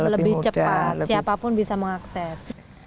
lebih cepat siapapun bisa mengakses